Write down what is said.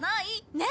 ねっ！